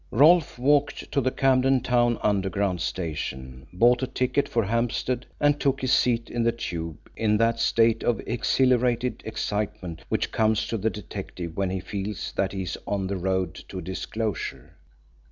Rolfe walked to the Camden Town Underground station, bought a ticket for Hampstead, and took his seat in the tube in that state of exhilarated excitement which comes to the detective when he feels that he is on the road to a disclosure.